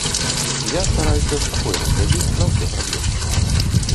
Я стараюся спакойна глядзець на ўсе праблемы.